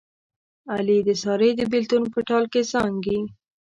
علي د سارې د بلېتون په ټال کې زانګي.